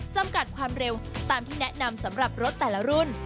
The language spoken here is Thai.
จำกัดความเร็วตามที่แนะนำสำหรับรถแต่ละรุ่น